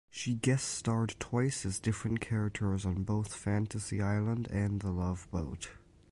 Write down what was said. She guest-starred twice as different characters on both "Fantasy Island" and "The Love Boat".